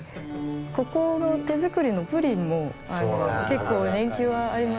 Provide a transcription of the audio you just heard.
ここの手作りのプリンも結構人気はありまして。